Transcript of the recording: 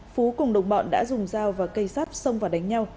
phú cùng đồng bọn đã dùng dao và cây sắt xông và đánh nhau